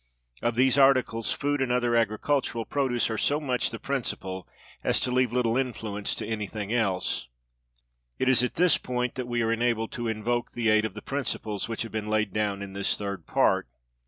Of these articles, food and other agricultural produce are so much the principal as to leave little influence to anything else. It is at this point that we are enabled to invoke the aid of the principles which have been laid down in this Third Part.